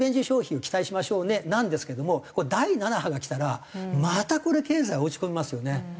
消費に期待しましょうねなんですけども第７波がきたらまたこれ経済落ち込みますよね。